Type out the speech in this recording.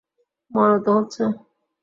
মনে তো হচ্ছে।